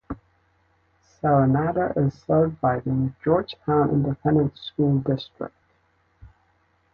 Serenada is served by the Georgetown Independent School District.